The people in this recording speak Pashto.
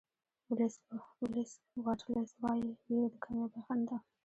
ولېس واټلز وایي وېره د کامیابۍ خنډ ده.